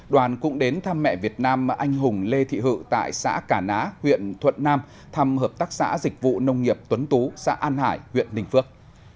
đoàn cũng đến thăm mẹ việt nam anh hùng lê thị hự tại xã cà ná huyện thuận nam thăm hợp tác xã dịch vụ nông nghiệp tuấn tú xã an hải huyện ninh phước